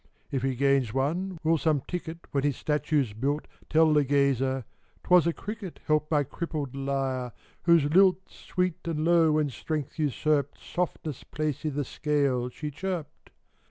If he gains one, will some ticket, When his statue's built, Tell the gazer " Twas a cricket Helped my crippled lyre, whose lilt Sweet and low, when strength usurped Softness' place i' the scale, she chirped